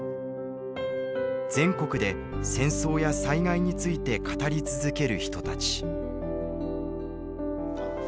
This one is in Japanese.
全国で戦争や災害について語り続ける人たち。